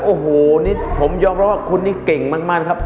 โอ้โหผมยอมรู้ว่าคุณนี่เก่งมั่นครับ